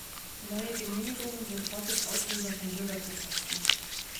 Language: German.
Neue Genehmigungen sind häufig Auslöser von Bürgerprotesten.